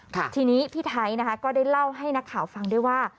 ทีนี้พี่ไทยนะคะก็ได้เล่าให้นักข่าวฟังด้วยว่า